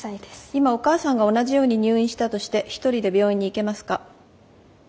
今お母さんが同じように入院したとして一人で病院に行けますか？